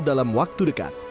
dalam waktu dekat